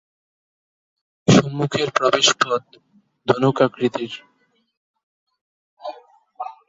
সম্মুখের প্রবেশপথ ধনুকাকৃতির।